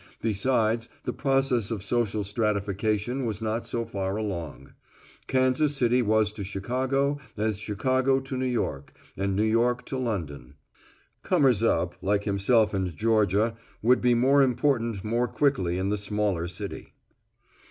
Besides the process of social stratification was not so far along. Kansas City was to Chicago as Chicago to New York, and New York to London. Comers up, like himself and Georgia, would be more important more quickly in the smaller city.